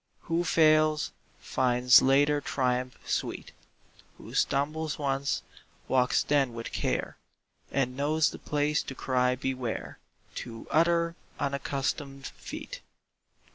Who fails, finds later triumph sweet; Who stumbles once, walks then with care, And knows the place to cry "Beware" To other unaccustomed feet.